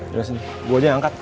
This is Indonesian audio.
dari sini gue aja yang angkat